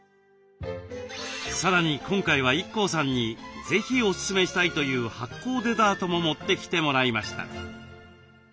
さらに今回はＩＫＫＯさんに是非おすすめしたいという発酵デザートも持ってきてもらいました。